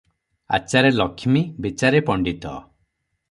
ଆଚାରେ ଲକ୍ଷ୍ମୀ, ବିଚାରେ ପଣ୍ତିତ ।"